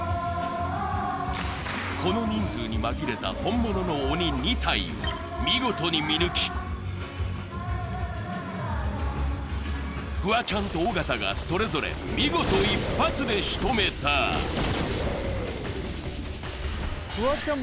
この人数に紛れた本物の鬼２体を見事に見抜きフワちゃんと尾形がそれぞれ見事一発でしとめたフワちゃん